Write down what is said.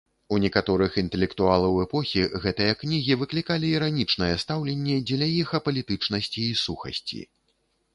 У некаторых інтэлектуалаў эпохі гэтыя кнігі выклікалі іранічнае стаўленне дзеля іх апалітычнасці і сухасці.